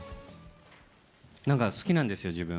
なんか好きなんですよ、自分。